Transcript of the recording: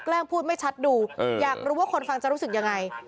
พูดไม่ชัดดูอยากรู้ว่าคนฟังจะรู้สึกยังไง